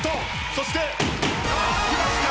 そして。きました！